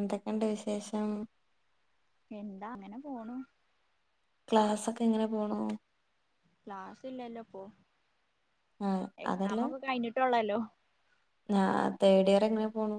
എന്തൊക്കെണ്ട് വിശേഷം എന്താ അങ്ങനെ പോണു ക്ലാസ്സ് ഒക്കെ എങ്ങനെ പോണു ക്ലാസ്സ്ല്ലല്ലോ ഇപ്പൊ ആ അതല്ല ആ തേർഡ് ഇയർ എങ്ങനെ പോണു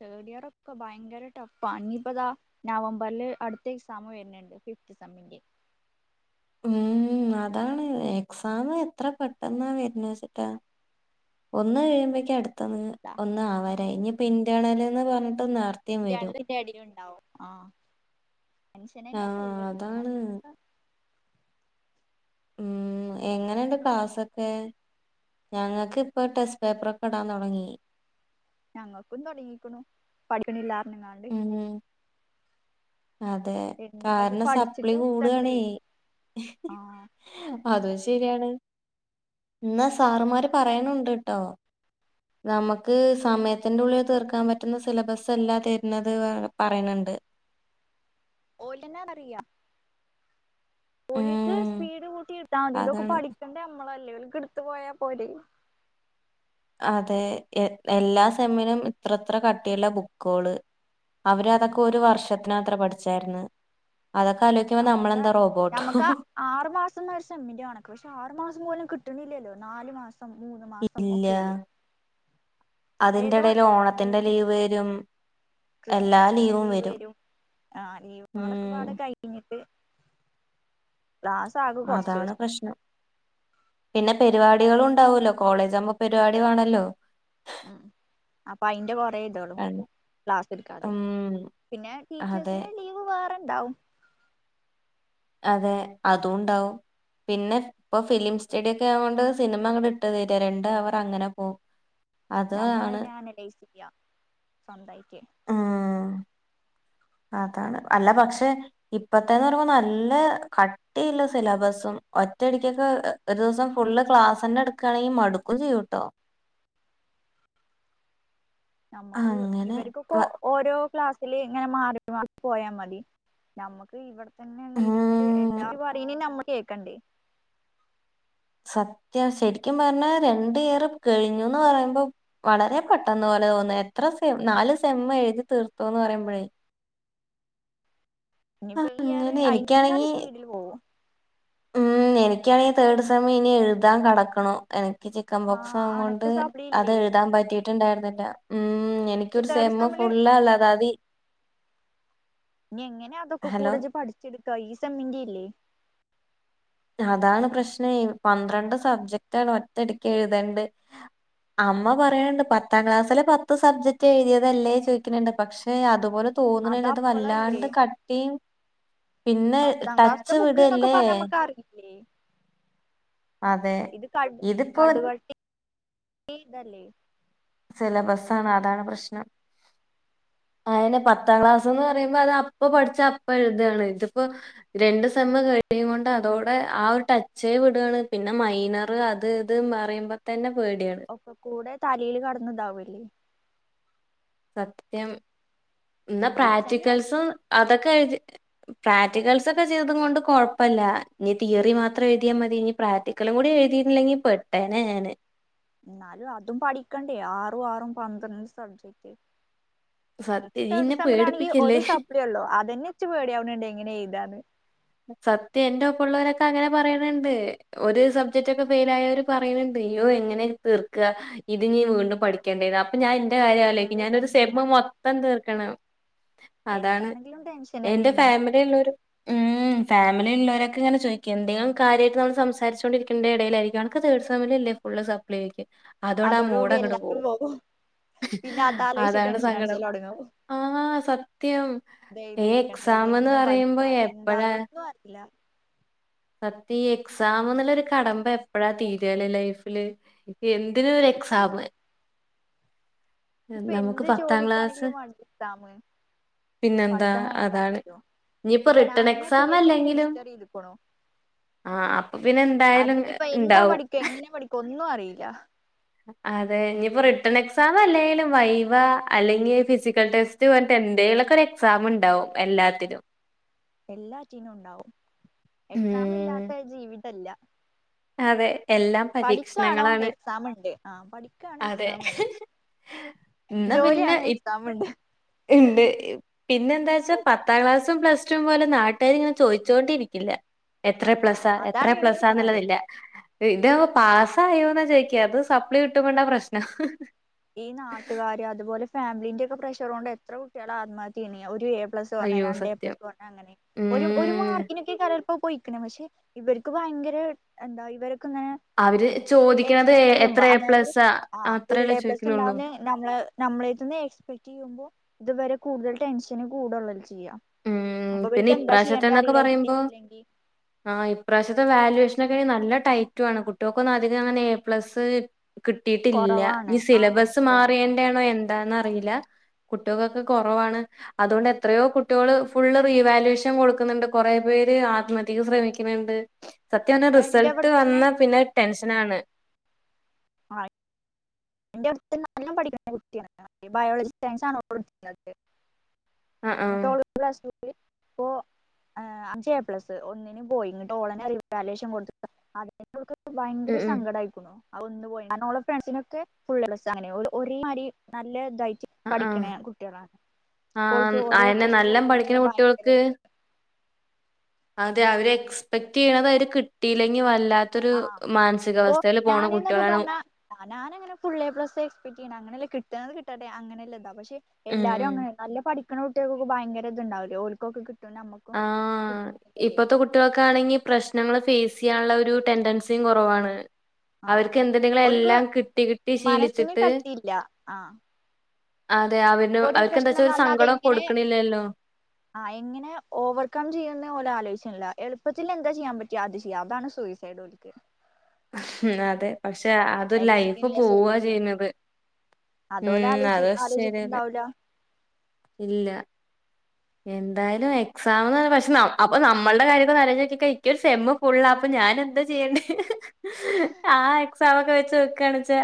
തേർഡ് ഇയർ ഒക്കെ ഭയങ്കര ടെഫാ ഇഞ്ഞ്പ്പതാ നവംബറില് അട്ത്ത എക്സാം വെര്ണ് ണ്ട് ഫിഫ്ത് സെമ്മ്ന്റെ ഉം അതാണ് എക്സാം എത്ര പെട്ടെന്നാ വരുന്ന വെച്ചിട്ടാ ഒന്ന് കഴിയുമ്പഴക്കും അടുത്തത് ദാ ഒന്ന് ആവാരായി ഇനിപ്പ ഇന്റണല്ന്ന് പറഞ്ഞി ഇപ്പ നേർത്തിം ഈ വരും രണ്ടിന്റെ ഇടയിൽ ഉണ്ടാവും ആ ആ മനുഷ്യനന്നെയ ഫുള്ള് അതാണ് [unintelligible] ഉം എങ്ങനെണ്ട് ക്ലാസൊക്കെ ഞങ്ങള്ക്ക് ഇപ്പ ടെസ്റ്റ് പേപ്പറൊക്കെ ഇടാൻ തൊടങ്ങി ഞങ്ങക്കും തുടങ്ങിക്ക്ണു പഠിക്ക്ണ് ല്ലാർഞ്ഞ്ക്കാണ്ട് ഉം അതെ എന്താത് കാരണം സ പഠിച്ചിട്ട് എത്തണ്ടേ ആ ശെരിയാണ് എന്നാ സാറുമാര് പറയ് ണുണ്ട്ട്ടോ നമക്ക് സമയത്തിന്റെ ഉള്ളിൽ തീർക്കാൻ പറ്റുന്ന സിലബസ്സല്ല തെര് ന്നത് പറയിണ് ണ്ട് ണ്ട് ഓലന്നാ അറിയ ഓലിക്ക് ഉം സ്പീഡ് കൂട്ടി ഇട്ത്താ മതി ഇതൊക്കെ അതാണ് പഠിക്കേണ്ടേ നമ്മളല്ലേ ക്ക എട്ത്ത് പോയാ പോലെ അതെ എ എല്ലാ സെമ്മിനും ഇത്ര ത്ര കട്ടിയുള്ള ബുക്കൊള് അവര് അതൊക്കെ ഒരു വർഷത്തിനാത്രെ പഠിച്ചായിര്ന്ന് നമുക്ക് നമുക്ക ആറ് മാസം ന്ന ഒരു സെമ്മിന്റെ കണക്ക് പക്ഷെ ആറ ട്ട്ണ് ഇല്ല അതിന്റെ ഏതോ എടെൽ ഓണത്തിന്റെ ലീവ് വരും എല്ലാ ക്രിസ്മസ് ലീവും വരും ഉം അ കുറച്ച് ദിവസം ടിളുണ്ടാവുല്ലോ കോളേജ് ആവുമ്പോ പരിവാടി വാണല്ലോ ഉം അപ്പൊ അയിന്റെ കൊറെ ഇതോളും കണ്ട്- ക്ലാസ് എട്ക്കാതെ ഉം പിന്നെ അതെ ടീച്ചേഴസിന് ലീവ് വേറെണ്ടാവും അതെ അതുണ്ടാവും പിന്നെ ഇപ്പൊ ഫിലിം സ്റ്റഡിയൊക്കെ ആവോണ്ട് സിനിമ അങ്ങ്ട്ട് ഇട്ട് തരി രണ്ട അവർ അങ്ങനെ പോവും നമ്മൾ അയിനെ അനലൈസ് യ്യാ സ്വന്തായിട്ട് ആ അതാണ് അല്ല പക്ഷെ ഇപ്പത്തന്നെര് പറയിമ്പോ നല്ല കട്ടിയുള്ള സിലബസ്സും ഒറ്റടിക്കൊക്കെ ഒരു ദിവസം ഫുള്ള് ക്ലാസ്സ്ന്നെ എടുക്കാണെങ്കിൽ മടുക്കും ചെയ്യൂട്ടോ നമുക്ക് അങ്ങനെ ഇവര്ക്കൊക്ക വ ഓരോ ക്ലാസ് ല് ഇങ്ങനെ മാറി മാറി പോയാ മതി നമ്മക്ക് ഇവിട പിന്നെ ഒന്നിഇരുത്തിട്ട് ഉം എല്ലാരു പറയ്ണ നമ്മ കേക്കണ്ടേ അത്യാവശ്യ ശരിക്കും പറഞ്ഞാ രണ്ട് ഇയർ കഴിഞ്ഞുന്ന് പറയുമ്പോ വളരെ പെട്ടെന്ന് പോലെ തോന്ന എത്ര സെ നാല് സെമ്മ് എഴുതി തീർത്തോന്ന് പറയുമ്പോഴേ ഇനിപ്പോ ഈ ആറ് അങ്ങനെ അയിനീക്കാളും എനിക്കാണെങ്കി സ്പീഡിൽ പോവും എനിക്കാണെിൽ തേർഡ് സെമം ഇനി എഴുതാൻ കടക്കണു എനിക്ക് ആ ചിക്കൻബോക്സ അവോണ്ട് അണക്ക് സപ്ലി ഇല്ലേ അത്എഴുതാൻ ഇജ്ജ് പറ്റീട്ടുണ്ടായിരുന്നില്ല ഉം എനിക്കരു തേർഡ് സെമം സെമ്മില് കൊള്ളല്ലാതാതി ഇനി എങ്ങനെ അതൊക്കെ കൂടത പഠിച്ചെടുക്കാ ഈ സമയന്റെല്ലേ അതാണ് പ്രശ്നം പന്ത്രണ്ട് സബ്ജക്ട ആാണ് ഒറ്റടിക്ക് എഴുതേണ്ട് അമ്മ പറയണണ്ട് പത്താം ക്ലാസ്സില് പത്ത് സബ്ജക്ട് എഴുതിയതല്ലേ ചോദിക്കണണ്ട് പക്ഷെ അതുപോലെ തോന്നണില്ല അത് വല്ലാണ്ട് കട്ടിയും പിന്നെ പത്താം ക്ലാസ്സത്തെ ടച്ച് ബുക്ക് എന്നൊക്കെ വിടല്ലേ പറഞ്ഞാ നമ്മുക്ക് അറിയും ലെ അതെ ഇത് കടു ഇതിപ്പോ കടുവട്ടി ഈ ഇതല്ലേ സിലബസ ആണ് അതാണ് പ്രശ്നം ആയിെ പത്താം ക്ലാസ് എന്ന് പറയുമ്പോ അത് അപ്പ പഠിച്ച അപ്പ എഴുതയാണ് ഇതിപ്പോ രണ്ടു സെമം കഴി യും കൊണ്ട് അതോടെ ആ ഒരു ടച്ചേ വിടുകയാണ് പിന്നെ മൈനർ അത് ഇത് പറയുമ്പോ തന്നെ പേടിയാണ് ഒക്കെകൂടെ തലയിൽ കടന്നതാവല്ലേ സത്യം എന്നാ ഇച്ചന്നെ പ്രാക്ടിക്കൽസും അതൊക്കെ എഴതി പ്രാക്ടൽസ് ഒക്കെ ചെയ്ത കൊണ്ട് കൊഴപ്പല്ല ഇനി തിയറി മാത്രം എഴുതിയാൽ മതി ഇ പ്രാക്ടല കൂടെ അതുകൂടെ എഴുതിട്ടില്ലെങ്കി പെട്ടേന ഞാന് എന്നാലും അതും പഠിക്കണ്ടേ ആറും ആറും പന്ത്രണ്ട് സബ്ജക്റ്റ് സത്യം ഇച്ച ഇയ്യ് ത് ഇന്നെ സമലം ആണെങ്കിൽ പേടിപ്പിക്കല്ലേ ഒരു സപ്ളിയ ഉള്ളോ അതന്നെ ഇച്ച പേടിയാവണണ്ട് എങ്ങനെയ എന്താണ് സത്യ എന്റെ ഒപ്പമ ഉുള്ളവരൊക്കെ അങ്ങനെ പറയണണ്ട് ഒരു സബ്ജക്റ്റ് ഒക്കെ ഫെയിൽ ആയവര് പറയണണ്ട് അയ്യോ എങ്ങനെ തീർക്കുക ഇത് നീ വീണ്ടും പഠിക്കേണ്ടായി അപ്പൊ ഞാൻ ന്റെകാര്യം ആലോയിക് ഫുള്ള് ഞാനൊരു സെബ് ടെൻഷനാണ് മൊത്തം തീർക്കണം അതാണ് എന്താണെങ്കിലും ടെൻഷൻ എന്റെ തന്നെയാണ് ഫാമിലിള്ളരു ഫാമിലി ഉള്ളരൊക്കെങ്ങനെ ചോദിക എന്തെങ്കിലും കാര്യമായിട്ട് നമ്മ സംസാരിച്ചണ്ടിരിക്കണ്ട ഇടയിലായിരിക്കും അനക്ക് തേർഡ് സെമം അല്ലേ ഫുള്ള് സപ്ലൈ ആക്ക് അതോടെ ആ അതോടുകൂടി മോടങ്ങട്ട എല്ലാരും പോവും പോകും പിന്നെ അതാലോചിച്ച് അതാണ് ടെൻഷൻ സങ്കടം അടിച്ചല് തുടങ്ങും ആഹ സത്യം ഇത് ഏ എക്സാാംന്ന് പറയുമ്പോ ഡൗട്ട് ഒന്നും വരത്തില്ല സത്യ ഈ എക്സാം എന്നുള്ളരു കടമ്പ എപ്പഴാ തീരല്ലേ ലൈഫില് എന്തിന ഒരു എക്സാമ് ഇപ്പൊ നമുക്ക് എന്ത് പത്താം ക്ലാസ് ജോലിക്കാണെങ്കിലും വേണ്ടേ എക്സാമ് പിന്നെന്താ അതാണ് ഇനിയിപ്പോ ഇപ്പ റിട്ടേൺ നാനെ എക്സാം പിഎസ് സിക്ക് അല്ലെങ്കിലും രജിസ്റ്റർ ചെയ്തെകുണു ആ അപ്പൊ പിന്നെ എന്തായാലും അതിനിപ്പ എന്താ ഉണ്ടാവും പഠിക്ക എങ്ങനെ പഠിക്കും ഒന്നും അറിയില്ല അതെ ഇനിയിപ്പോ റിട്ടേൺ എക്സാം അല്ലെങ്കിലും വൈവ അല്ലെങ്കിൽ ഫിസിക്കൽ ടെസ്റ്റ് പോട്ട് എ എന്തേലോക്കൊരു ഒരു എക്സാം ഉണ്ടാവും എല്ലാത്തിനും എല്ലാറ്റനും ഉണ്ടാവും എക്സാം ഉം ഇല്ലാത്ത ജീവിതല്ല അതെ എല്ലാം പഠിക്കയാണോ പരീക്ഷണങ്ങളാണ് എക്സാം ഉണ്ട് ആഹ പഠിക്കണോ അതെ എക്സാാം ഉണ്ട് ജോലിയണോ എക്സമുണ്ട് ഉണ്ട് പിന്നെ എന്താച്ചാ പത്താം ക്ലാസ് ത്തും പ്ലസ് ടും പോലെ നാട്ടുകർ ഇങ്ങനെ ചോദിച്ചോണ്ടിരിക്കില്ല എത്ര എ ആ പ്ലസ്സാ എത്ര അതാണ് പിന്നെ ഒരു കാര്യം എപ്ലസ്സാന്നുള്ളതില്ല ഇത് പാസായോ ന്നാ ചോയ്ഴ്ക അത് സപ്ലി കിട്ടുമ്പോള്ള പ്രശ്നം ഈ നാട്ടുകാര അതുപോലെ ഫാമിലിന്റെ ഒക്കെ പ്രഷർ കൊണ്ട് എത്ര കുട്ടികൾ ആത്മഹത്യ ചെയ്യുണേ ഒരു പ്ല രേ അയ്യോ രണ്ടു സത്യം പ്ലസ് അങ്ങനെ ഒരു ഉം മാർക്കിനൊ പോയിക്ക പക്ഷെ ഇവർക്ക് ഭയങ്കര എന്താ ഇവർ അവര് ചോദിക്കുന്നത് എത്ര എ പ്ലസ് അത്രയല്ല ചോ ണ്ടാവ്ന്നേ നമ്മ നമ്മളന്ന് എക്സ്പെക്ട് ചെയ്യുമ്പോൾ ഇതുവരെ കൂടുതൽ ടെൻഷന് കൂടെള്ളത് ചെയ്യാം ഉ പിന്നെ ഇപ്രാവശ്യത്തെന്നൊക്കെ പറയുമ്പോ ആഹ ഇപ്രാവശ്യത്തെ വാല്യൂഷ നല്ല ടൈറ്റു ആണ് കുട്ടികൾക്ക ഒ അധികം അങ്ങന എ പ്ലസ് കിട്ടീട്ടില്ല നീ കുറവാണ് ആഹ് സിലബസ് കുറവാണ് മാറിയേണ്ടാണോ എന്താന്ന് അല്ല കുട്ടികൾക്കെ കുറവാണ് അതുകൊണ്ട് എത്രയോ കുട്ടികൾ ഫുള്ള് റീവല്വേഷൻ കൊടുക്കുന്നുണ്ട് കൊറെ പേര് ആത്മഹത്യക്ക് ശ്രമിക്കുന്നുണ്ട് സത്യം പറഞ്ഞ ഇപ്പൊ എന്റെ റിസൾട്ട് അവിടെ തന്നെ വന്ന പിന്നെ ടെൻഷനാണ് ആ എന്റെ അടുത്ത് നല്ലാം പഠിക്കുന്ന കുട്ടിയാണ് ബയോളജി സയൻസ് ആണ് ഓള് എടുക്കുന്നത് ആഹ് ആഹ് [unintelligible] അഞ്ച് എ പ്ലസ് ഒന്നിന് പോയി ഇട്ട് ഓളനെ റിവാലേഷൻ കൊടു അ ഭയങ്കര ഉം ഉം സങ്കടം ആയിക്കുണു ആ ഒന്ന് പോയെന് കാരണം ഓളെ ഫ്രണ്ട്സിനൊക്കെ ഫുള്ള് എ പ്ല സ് ആണ് ഒരേമാരി നല്ല ഇതായിട്ട് പഠിക്കണ കുട്ടികളാണ് ആഹ ഓൾക്ക് ഒരേ എ ആയന്നെ പ്ലസ് നല്ല പഠിക്കണ പോയിനെന്നെ ഭയങ്കര കുട്ടികൾക്ക് ഇത് അതെ അവര് എക്സ്പെക്ട് ചെയ്യണത് അവര് കിട്ടില്ലെങ്കിൽ ആ അപ്പ ഞാനന്നൊക്കെ കുട്ടികളാണ് പറഞ്ഞ ഞാനങ്ങനെ ഫുള്ളെ പ്ലസ് എക്സ്പെക്ട് ചെയ്യ അങ്ങനെല്ല കിട്ട ക കിട്ടെ അങ്ങനെയല്ല എന്താ പക്ഷെ ഉം എല്ലാരും ഉം അങ്ങനെ നല്ല പഠിക്ക പെക്ക കുട്ടികൾക്കെ ഭയങ്കര ഇത് ഉണ്ടാവില്ല ഓൽക്ക ആ ഇപ്പത്തെ കുട്ടികൾക്കെ ആണെങ്കി പ്രശ്നങ്ങൾ ഫേസ് ചെയ്യാനുള്ള ഒരു ടെൻഡൻസിയും കുറവാണ് ആഹ് അവർക്ക് എന്ത്ണ്ടെങ്കിലും ഓൽക്ക് എല്ലാം കിട്ടി കിട്ടി മനസ്സിന് ശീലിച്ചിട്ട് കട്ടിയില്ല അതെ അവന് ഒരേ അവർക്ക് എന്താ പ്രശ്നം വെച്ചാ ഒരു വന്നാത സങ്കടം എങ്ങനെ കൊടുക്കണില്ലല്ലോ ആ എങ്ങനെ ഓവർകം ചെയ്യുന്ന പോലെ ആലോചിച്ചില്ല എളുപ്പത്തിൽ എന്താ ചെയ്യാൻ പറ്റിയ അത് ചെയ്യാം അതാണ് സൂയിസൈഡ്ക്ക് അതെ പക്ഷെ അത് ലൈഫ് എല്ലാത്തിനുള്ള പോവാ സൊല്യൂഷന് ചെയ്യുന്നത് അതോല് ഉം ആലോചി അത ശരിയന്നെ ആലോചിക്ക്ണ്ടാവൂല ഇല്ല എന്തായാലും എക്സാംന്ന് പക്ഷെ അപ്പൊ നമ്മളുടെ ഇത് [unintelligible] സെമ്മ് ഫുള്ളാ അപ്പം ഞൻ എന്താ ചെയ്യണ്ടേ ആ എക്സമ ഒക്കെ വെച്ച് വക്കണച്ചാ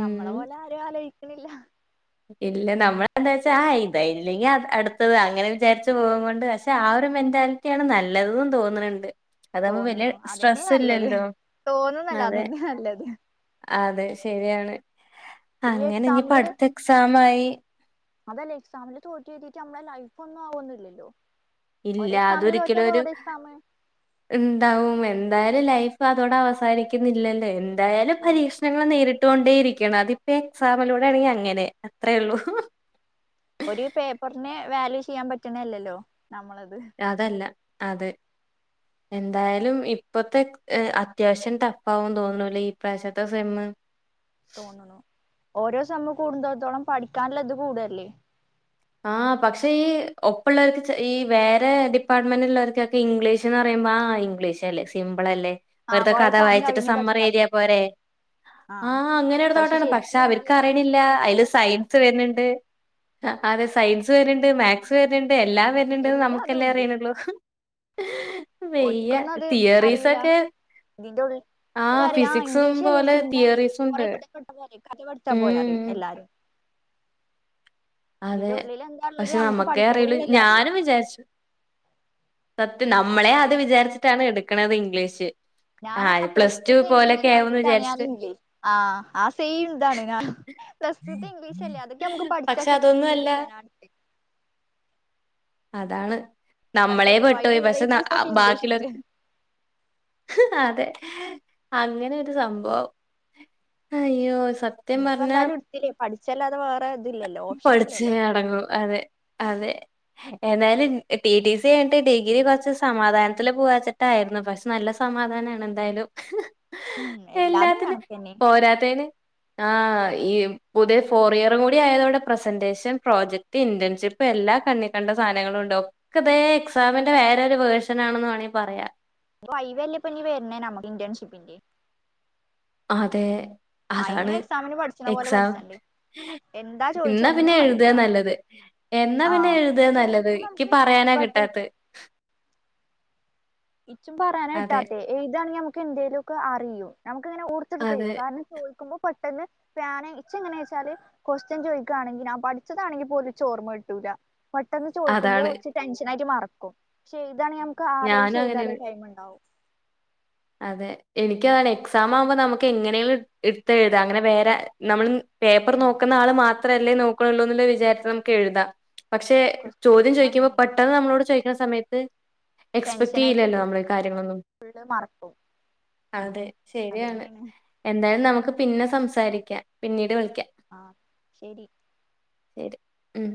നമ്മളെ പോലെ ആരും ആലോചിക്കുന്നില്ല ഇല്ല നമ്മള എന്താ വെച്ചാ ആ ഇതായില്ലെങ്ക അടുത്തത് അങ്ങനെ വിചാരിച്ചു പോക കൊണ്ട് പക്ഷെ ആ ഒരു മെന്റാലിറ്റിയ ആണ് നല്ലത് ന്ന് തോന്നണ് ഉണ്ട് അതാുമ്പ വലിയ തോന്ന്ണു അതന്നെ സ്ട്രെസ്സ് നല്ലത് ഇല്ലല്ലോ തോന്നുന്നല്ല അതെ അതന്നെ നല്ലത് അതെ ശരിയാണ് ഈ എക്സാമി എക്സാമായി അതല്ലേ എക്സാമില് തോറ്റി എഴുതിയിട്ട് നമ്മളുടെ ലൈഫ് ഒന്നും ആവന്നില്ലല്ലോ ഇല്ല അതൊരിക്കലും ഒരു ഉണ്ടാവും എ എന്തായാലും ലൈഫ് അതോടെ അവസാനിക്കുന്നില്ലല്ലോ എന്തായാലും ഇല്ല പരീക്ഷണങ്ങൾ നേരിട്ട് ഇട്ടൊണ്ടേ ഇരിക്കണം അതിപ്പോ എക്സാമിലൂടെ ആണെങ്കിൽ അങ്ങനെ അത്രേയള്ളൂ ഒരു പേപ്പറിന വാല്യൂ ചെയ്യാൻ പറ്റണല്ലല്ലോ നമ്മളത് അതല്ല അതെ എന്തായാലും ഇപ്പത്തെ അത്യാവശ്യം ടഫ് ആകന്ന് തോന്നൂലേ ഈ പ്രാവശ്യത്ത സെമ്മ് [inaudible] തോന്നുന്നു ഓരോ സമയം കൂടുതോടത്തോളം പഠിക്കാനുള്ള ഇത് കൂടല്ലേ ആ പക്ഷേ ഈ ഒപ്പള്ളവർക്ക് ഈ വേറെ ഡിപ്പാർട്ട്മെന്റ് ഉള്ളവർക്കൊക്കെ ഇംഗ്ലീഷ്ന്ന് പറയ ആ ഇംഗ്ലീഷ് അല്ലേ സിമ്പിൾ അല്ലേ ആഹ് വെറുതെ കഥ കൊറെയൊക്കെ ആദ്യം വായിച്ചിട്ട് കവിഞ്ഞ് സമ്മർ പഠിച്ചാ ഏരിയ മതിന്നറിയും പോരെ ആഹ് ആഹ അങ്ങനെ ഒരു തോട്ടാണ് പക്ഷെ ശരിക്കില് അവർക്ക് ഇംഗ്ലീഷ് അറിയണില്ല എന്താന്ന് അതില് നമ്മുക്കുള്ളത് അറിയാം സയൻസ് വരുന്നുണ്ട് ആ അതെ സയൻസ് വരുന്നുണ്ട് മാത്സ് വരുന്നുണ്ട് എല്ലാം വരുന്നുണ്ട്ന്ന് എല്ലാ അതും നമുക്കെല്ലേ ഉണ്ട് അറിയണള്ളൂ വെയ്യ തിയറീസ് ഒക്കെ ദീണ്ടോള റിയ ഇംഗ്ലീഷല്ലേ പോലെ സിംല്ലേ കൊറെ തിയറീസുണ്ട്. കഥട്ട പോ കഥ പഠിച്ചാ പോയറി ഉം. എല്ലാരും അതേ ഇതിന്റെ ഉള്ളിൽ എന്താള്ളത് പഷേ നമുക്ക് ന്നമ്മക്കേ അറിളൂ പഠിക്കുമ്പോഴല്ലേ അറിയാ ഞാനും വിചാര്ച്ച് സത്യം ന്നമ്മളെ അത് വിചാര്ച്ചിട്ടാണ് എട്ക്ക്ണത് ഇഗ്ലീഷ് ഞാന ഒക്ക ആ പ്ലസ് റ്റു ത്തെ ഇഗ്ലീഷ് ആവുന്ന് കണ്ടിട്ടാണ് വിചാരിച്ചിട്ട് ഞാന് ആ ആ സെയിം താണ് ഞാ പ്ലസ് റ്റു ത്തെ ഇംഗ്ലീഷ് അല്ലേ അതൊക്കെ അമുക്ക് പഠിച്ചാ പക്ഷെ അതൊന്നും അല്ല കിട്ടുംന്ന്ള്ളത്ക്കാ ഞാ ട്തെ അതാണ് ന്നമ്മളേ പെട്ടോയി പക്ഷെ ന്ന വെറൈറ്റീസ് ഓഫ് ഇംഗ്ലീഷ് ബാക്കിള്ളോര് ഉണ്ട് [unintelligible] അതെ അങ്ങനെ ഒര് സംഭവം അയ്യോ സത്യം ഇനിയിപ്പോ പർഞ്ഞാ എന്തായാലും എടുത്തില്ലേ പഠിച്ചല്ലാതെ വേറെ ഇതില്ലല്ലോ ഓപ്ഷൻ പഠ്ച്ചേ ഇല്ലല്ലോ അടങ്ങൂ അതെ അതെ ഏതായാലും ടി ടി സി കഴിഞ്ഞിട്ട് ഡിഗ്രി കൊർച്ച് സമാധാനത്തില് പോവാച്ച്ട്ടായിരുന്നു പക്ഷെ നല്ല സമാ ധാനാണ് എന്തായാലും ഉം [inaudible] എല്ലാതും എല്ലാത്തിലും കണക്കന്നെ പോരാത്തേന് ആ ഈയും പുതിഏ ഫോർ ഇയറും കൂടി ആയതോണ്ട് പ്രസന്റേഷൻ, പ്രോജക്ട്, ഇന്റേൺഷിപ്പ് എല്ലാ കണ്ണിക്കണ്ട സാധങ്ങളു ണ്ടാഉഓ ഒക്കതേ എക്സാമിന്റെ വേറൊര് വേർഷൻ ആണെന്ന് മാണെ പറയാ വൈ വേ ല്ലെ പ്പ ഞി വെര്ണേ നമ്മക്ക് ഇന്റേൺഷിപ്പിന്റെ അതേ അയിനും അതാണ് എക്സാമിന് പഠിച്ചണ പോലെ എക്സാം പഠിച്ചണ്ടേ എന്താ ചോദിച്ച ഇന്നാ പിന്നെ ഒന്നും എഴുത്ആ അറിയില്ല ന്നല്ലത് എന്നാ പിന്നെ ആഹ് എഴുത്ആ ന്നല്ലത് ചോദിക്കുമ്പോ ഇക്കി നമുക്ക് പറയാ നാ കിട്ടാത്ത പെട്ടെന്ന് [unintelligible] ഇച്ചും പറയാനാ അതെ. കിട്ടാത്തെ ഏഴുതാണെങി അമുക്ക് എന്തേലു ഒക്കെ അറിയു ഞമു ക്ക്ങ്ങനെ ഓർത്ത്ട്ത്ത് അതെ. എഴുതും കാരണം ചോയ്ക്കുബം പെട്ടൊന്ന് [unintelligible] ഞാനെ ഇച്ചങ്ങെനെ ച്ചാല് കൊസ്റ്റ്യൻ ചോയ്ക്കാണെങ്കിൽ ഞാൻ പഠിച്ചതാണെങ്കി പോലും ഇച്ചോർമ്മട്ടൂല പെട്ടൊന്ന് ചോയ്ക്കുമ്പോ അതാണ്. ച്ച് ടെൻഷനായിടറ്റ് മറക്കും ക്ഷെ എഴുതാണെങ്കിൽ അമുക്ക് ഞാനും ആലോയ്ച്ച് അങ്ങനെയാണ്. എഴുതിആലും ടൈമ് ണ്ടാഉം അതെ എനിക്കതാണ് എക്സാമ് ആഉമ്പോ ന്നമുക്ക് എങ്ങനെലും ട് ഇട്ത്തെഴുതാ അങ്ങനെ വേറെ ന്നമ്ൺ പേപ്പർ ആഹ് ന്നോക്ക്ന്ന ആള് മാത്രല്ലേ നോക്ക്ണൊള്ളൂ എന്നുള്ള വിചാരത്തിൽ ന്നമുക്ക് എഴുതാം പക്ഷെ ക്വസ്റ്റ്യൻ ചോദ്യം ചോദിക്കുമ്പോ ചോയ്ക്കുമ്പൊ അങ്ങനെയൊക്കെ പെട്ടൊന്ന് ന്നമ്മളോട് ചോയ്ക്ക്ണ സമയത്ത് എക്സ്പെക്ട് ടെൻഷനായിട്ട് എയ്യില്ലല്ലോ ന്നമ്മള് കാര്യങ്ങളൊന്നും ഫുള്ള് മറക്കും ഉം അതേ ശെരി ആണ് അതന്നെയാണ് എന്തായാലും ന്നമുക്ക് പിന്ന സംസാരിക്ക പിന്നീട് വിളി ആഹ ശെരി ശെരി മ്